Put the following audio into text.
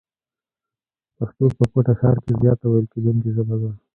پښتو په کوټه ښار کښي زیاته ويل کېدونکې ژبه ده.